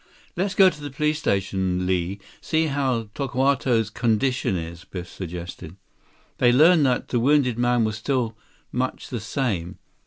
"Let's go to the police station, Li. See how Tokawto's condition is," Biff suggested. They learned that the wounded man was still much the same.